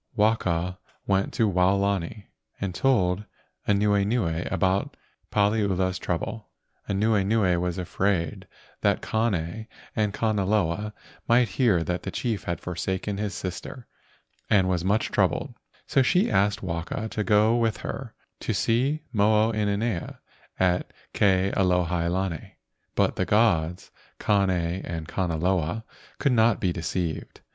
Waka went to Waolani and told Anuenue about Paliula's trouble. Anuenue was afraid that Kane and Kanaloa might hear that the chief had forsaken his sister, THE MAID OF THE GOLDEN CLOUD 135 and was much troubled, so she asked Waka to go with her to see Mo o inanea at Ke alohi lani, but the gods Kane and Kanaloa could not be deceived.